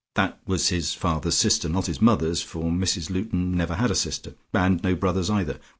That was his father's sister, not his mother's, for Mrs Luton never had a sister, and no brothers either.